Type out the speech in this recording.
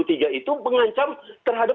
itu mengancam terhadap